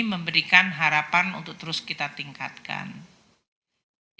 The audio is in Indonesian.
meskipun pph orang pribadi ini kontribusinya masih sangat kecil di dua dua